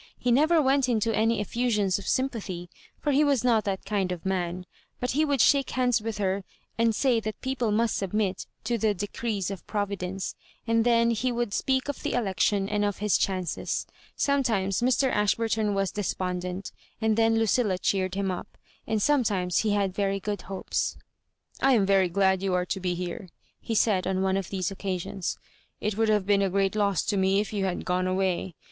He never went into any efiUsions of sympathy, for he was not that kind of man; but he would shake hands with her, and say that people must submit to the decrees of Providence ; and then he would speak of the election and of his chances. Some times Mr. Ashburton was despondent, and then LudUa cheered him up; and sometimes he had very good hopes. " I am very glad you are to be here," he said on one of these occasions. ^' It would have been a great loss to me if you had gone away.